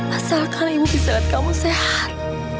asalkan ibu bisa lihat kamu sehat